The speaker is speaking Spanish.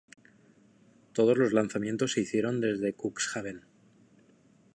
Todos los lanzamientos se hicieron desde Cuxhaven.